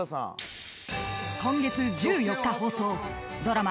［今月１４日放送ドラマ